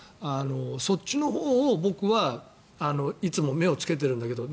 そっちのほうを僕はいつも目をつけているんだけど。